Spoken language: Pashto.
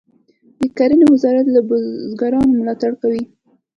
د کرنې وزارت له بزګرانو ملاتړ کوي